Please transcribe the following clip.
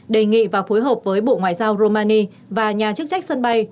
đề nghị và phối hợp với bộ ngoại giao rumani và nhà chức trách sân bay